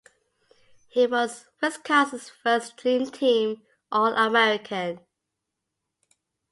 He was Wisconsin's first Dream Team All-American.